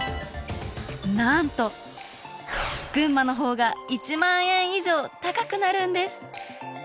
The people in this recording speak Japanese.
なんと群馬の方が１万円以上高くなるんです！